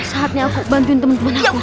saatnya aku bantuin temen temen aku